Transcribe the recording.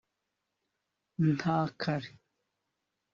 nta kare